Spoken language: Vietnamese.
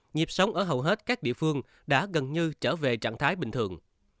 nhịp sống ở hầu hết các địa phương đã gần như trở về trạng thái bình thường